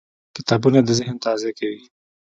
کتابونه د ذهن تغذیه کوي.